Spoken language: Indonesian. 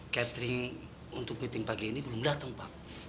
catering untuk meeting pagi ini belum datang pak